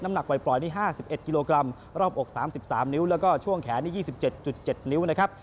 หนักปล่อยนี่๕๑กิโลกรัมรอบอก๓๓นิ้วแล้วก็ช่วงแขนนี่๒๗๗นิ้วนะครับ